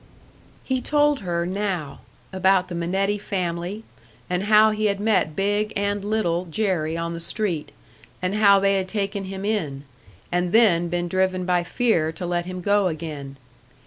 He told her now about the Minetti family, and how he had met Big and Little Jerry on the street, and how they had taken him in, and then been driven by fear to let him go again.